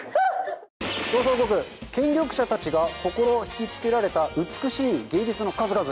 権力者たちが心引きつけられた美しい芸術の数々。